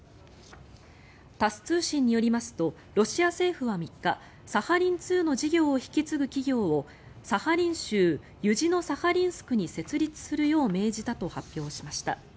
タス通信によりますとロシア政府は３日サハリン２の事業を引き継ぐ企業をサハリン州ユジノサハリンスクに設立するよう命じたと発表しました。